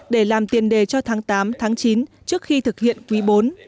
để làm tiền đề cho tháng tám tháng chín trước khi thực hiện quý bốn